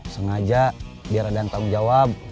sengaja biar ada yang tanggung jawab